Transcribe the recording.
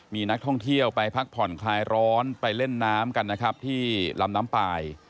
มีนักท่องเที่ยวไปพักผ่อนคลายร้อนไปเล่นน้ำกันนะครับที่ลำน้ำปลาย